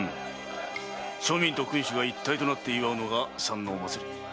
庶民と君主が一体となって祝うのが山王祭。